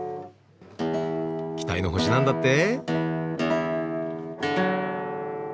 期待の星なんだって？